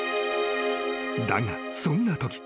［だがそんなとき］